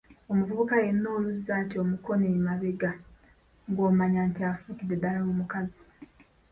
Omuvubuka yenna oluzza ati omukono emabega ng'omanya nti afuukidde ddala omukazi.